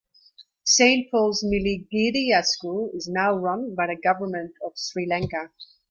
Saint Paul's Milagiriya School is now run by the Government of Sri Lanka.